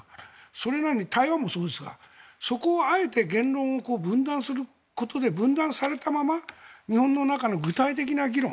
それなのに台湾もそうですがそこをあえて言論を分断することで分断されたまま日本の中の具体的な議論